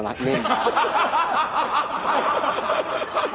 アハハハ！